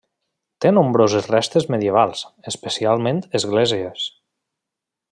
Té nombroses restes medievals, especialment esglésies.